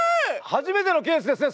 初めてのケースですね。